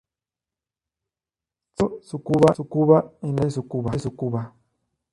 Santuario Tsukuba en la ciudad de Tsukuba.